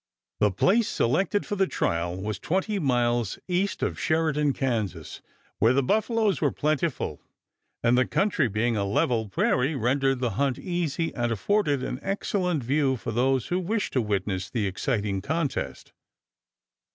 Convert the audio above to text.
The place selected for the trial was twenty miles east of Sheridan, Kan., where the buffaloes were plentiful, and the country being a level prairie rendered the hunt easy and afforded an excellent view for those who wished to witness the exciting contest.